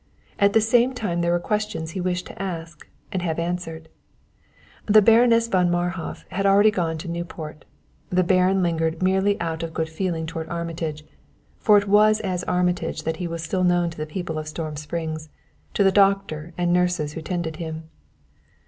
At the same time there were questions he wished to ask and have answered. The Baroness von Marhof had already gone to Newport; the Baron lingered merely out of good feeling toward Armitage for it was as Armitage that he was still known to the people of Storm Springs, to the doctor and nurses who tended him.